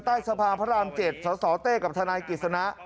ใต้สภาพระราม๗สเต้กับทกิศนะ